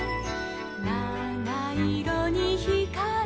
「なないろにひかる」